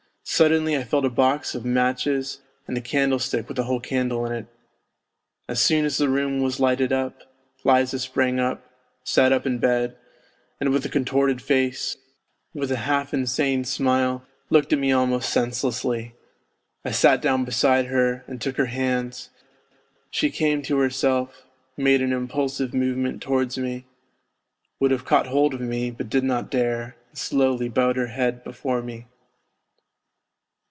Suddenly I felt a box of matches and a candlestick with a whole candle in it. As soon as the room was lighted up, Liza sprang up, sat up in bed, and with a contorted face, with a half insane smile, looked at me almost senselessly. I sat down beside her and NOTES FROM UNDERGROUND 133 took her hands ; she came to herself, made an impulsive move ment towards me, would have caught hold of me, but did not dare, and slowly bowed her head before me.